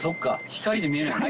光で見えない？